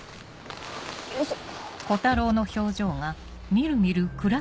よいしょ。